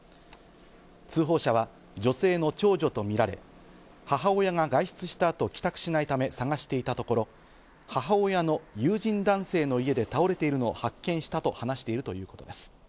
通報者は女性の長女とみられ、母親が外出した後、帰宅しないため探していたところ、母親の友人男性の家で倒れているの発見したと話しているということです。